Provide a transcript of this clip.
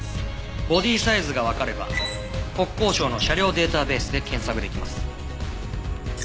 ボディーサイズがわかれば国交省の車両データベースで検索出来ます。